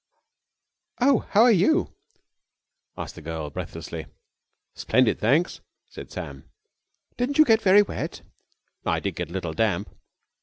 "Oh, how are you?" asked the girl breathlessly. "Splendid, thanks," said Sam. "Didn't you get very wet?" "I did get a little damp."